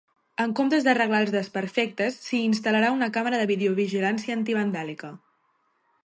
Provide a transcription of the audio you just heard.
En comptes d'arreglar els desperfectes, s'hi instal·larà una càmera de videovigilància antivandàlica.